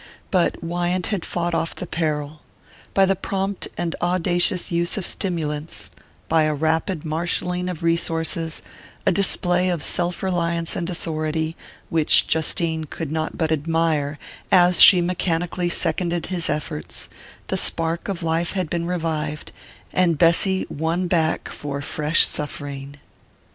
But Wyant had fought off the peril. By the prompt and audacious use of stimulants by a rapid marshalling of resources, a display of self reliance and authority, which Justine could not but admire as she mechanically seconded his efforts the spark of life had been revived, and Bessy won back for fresh suffering.